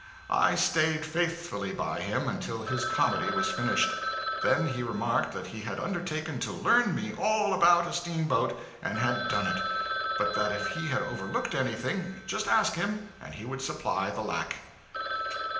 I staid faithfully by him until his comedy was finished. Then he remarked that he had undertaken to 'learn' me all about a steamboat, and had done it; but that if he had overlooked anything, just ask him and he would supply the lack.